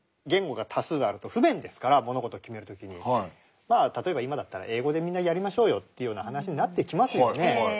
言語が多数あると不便ですから物事を決める時にまあ例えば今だったら英語でみんなやりましょうよというような話になってきますよね。